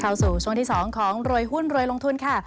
สู่ช่วงที่๒ของรวยหุ้นรวยลงทุนค่ะ